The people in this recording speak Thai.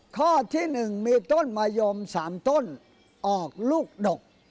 ข้อที่๑มีต้นมะยม๓ต้นออกลูกดก